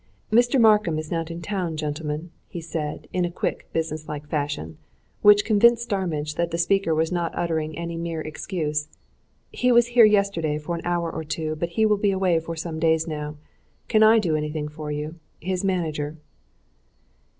"Mr. Markham is not in town, gentlemen," he said, in a quick, business like fashion, which convinced Starmidge that the speaker was not uttering any mere excuse. "He was here yesterday for an hour or two, but he will be away for some days now. Can I do anything for you? his manager."